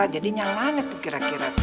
jadi yang mana tuh kira kira